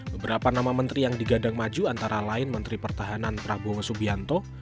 beberapa nama menteri yang digadang maju antara lain menteri pertahanan prabowo subianto